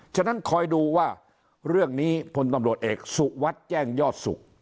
ฉะนั้นคอยดูว่าเรื่องนี้พลตำรวจเอกสุวัสดิ์แจ้งยอดสุข